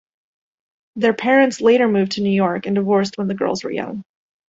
Their parents later moved to New York and divorced when the girls were young.